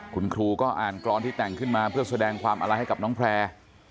คุณครูก็อ่านกรอนที่แต่งขึ้นมาเพื่อแสดงความอาลัยให้กับน้องแพร่